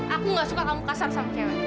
aku gak suka kamu kasar sama cewek